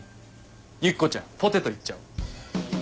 ユキコちゃんポテト行っちゃおう。